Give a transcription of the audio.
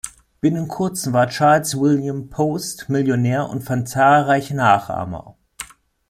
Binnen kurzem war Charles William Post Millionär und fand zahlreiche Nachahmer.